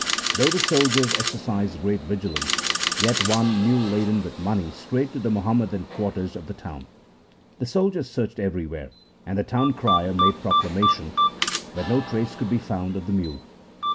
Though the soldiers exercised great vigilance, yet one mule laden with money strayed to the Muhammadan quarters of the town. The soldiers searched everywhere, and the town crier made proclamation, but no trace could be found of the mule.